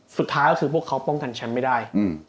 สุดท้ายก็คือพวกเขาป้องกันแชมป์ไม่ได้